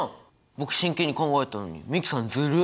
僕真剣に考えたのに美樹さんずるっ！